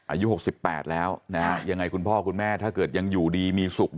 อายุ๖๘แล้วนะฮะยังไงคุณพ่อคุณแม่ถ้าเกิดยังอยู่ดีมีสุข